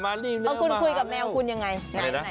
คุณคุยกับแมวคุณยังไง